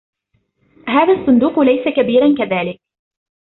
هذا الصندوق ليس كبيرا كذاك.